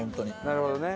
なるほどね。